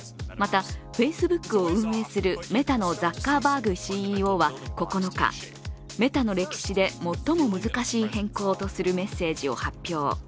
またＦａｃｅｂｏｏｋを運営するメタのザッカーバーグＣＥＯは９日、「メタの歴史で最も難しい変更」とするメッセージを発表。